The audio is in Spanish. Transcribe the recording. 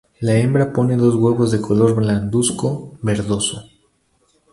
La hembra pone dos huevos de color blancuzco verdoso.